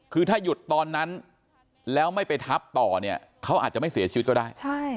คือถ้าหยุดตอนนั้นแล้วไม่ไปทับต่อเนี่ยเขาอาจจะไม่เสียชีวิตก็ได้